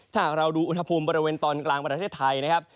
ถ้าหากเราดูอุณหภูมิบริเวณตอนกลางประเทศไทยนะครับ